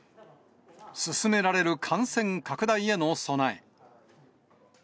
進められる感染拡大への備え。